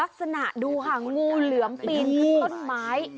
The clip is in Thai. โรศสนาดูงูเหลือมปีนขึ้นต้นไม้